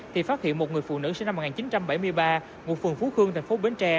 thì phát hiện một người phụ nữ sinh năm một nghìn chín trăm bảy mươi ba ngụ phường phú khương thành phố bến tre